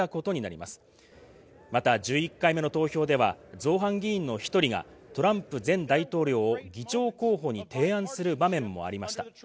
また１１回目の投票では造反議員の１人がトランプ前大統領を議長候補に提案する場面もありました。